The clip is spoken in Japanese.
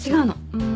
うん。